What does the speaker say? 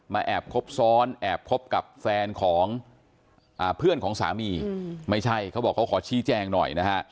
แอบคบซ้อนแอบคบกับแฟนของเพื่อนของสามีไม่ใช่เขาบอกเขาขอชี้แจงหน่อยนะฮะ